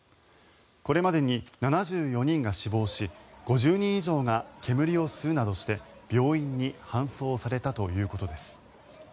これまでに７４人が死亡し５０人以上が煙を吸うなどして病院に搬送されたということです。